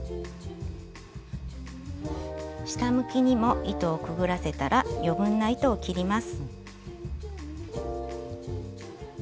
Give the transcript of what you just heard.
下向きにも糸をくぐらせたら余分な糸を切ります。